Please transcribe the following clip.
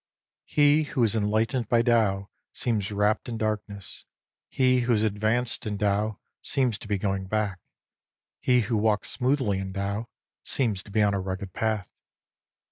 He who is enlightened by Tao seems wrapped in darkness. He who is advanced in Tao seems to be going back. He who walks smoothly in Tao seems to be on a rugged path.